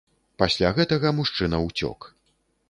Пасля гэтага мужчына ўцёк.